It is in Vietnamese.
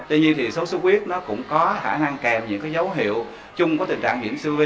tuy nhiên thì sốt xuất huyết nó cũng có hãng ăn kèm những cái dấu hiệu chung với tình trạng diễn siêu vi